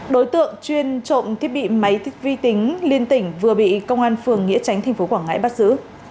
đối tượng chuyên trộm thiết bị máy vi tính liên tỉnh vừa bị công an phường nghĩa chánh tp quảng ngãi bắt giữ